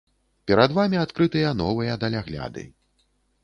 Перад вамі адкрытыя новыя далягляды.